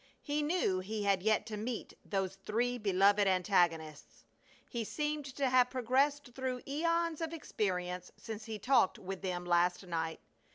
He knew he had yet to meet those three beloved antagonists. He seemed to have progressed through eons of experience since he talked with them last night.